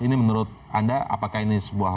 ini menurut anda apakah ini sebuah